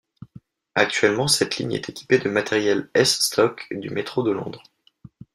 Actuellement, cette ligne est équipée du matériel S stock du métro de Londres.